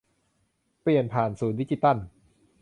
เปลี่ยนผ่านสู่ดิจิทัล